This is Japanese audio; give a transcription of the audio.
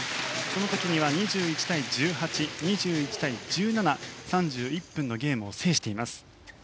その時には２１対１８、２１対１７３１分のゲームを制しています。